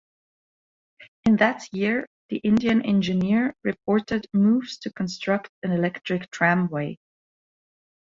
In that year ‘The Indian Engineer’ reported moves to construct an electric tramway.